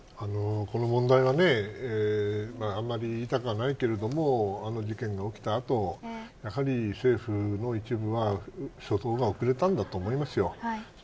この問題はあんまり言いたくないけれどあの事件が起きた後やはり政府の一部は初動が遅れたんだと思います。